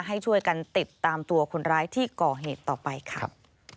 ให้ช่วยกันติดตามตัวคนร้ายที่ก่อเหตุต่อไปค่ะ